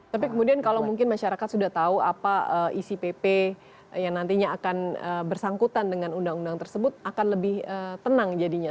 tapi kemudian kalau mungkin masyarakat sudah tahu apa isi pp yang nantinya akan bersangkutan dengan undang undang tersebut akan lebih tenang jadinya